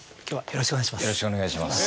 よろしくお願いします。